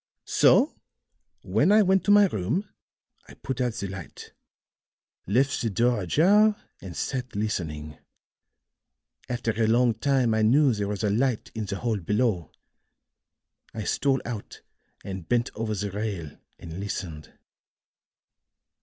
So when I went to my room I put out the light, left the door ajar and sat listening. After a long time I knew there was a light in the hall below; I stole out and bent over the rail and listened.